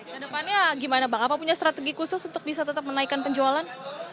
kedepannya gimana bang apa punya strategi khusus untuk bisa tetap menaikkan penjualan